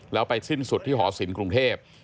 แล้วไปสิ้นสุดที่หอศิลป์กรุงเทพ